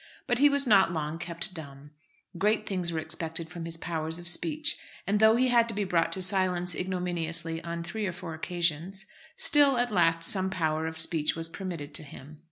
But he was not long kept dumb. Great things were expected from his powers of speech, and, though he had to be brought to silence ignominiously on three or four occasions, still, at last some power of speech was permitted to him.